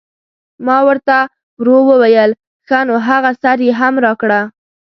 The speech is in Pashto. ما ور ته ورو وویل: ښه نو هغه سر یې هم راکړه.